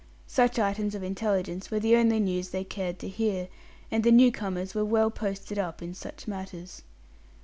Such items of intelligence were the only news they cared to hear, and the new comers were well posted up in such matters.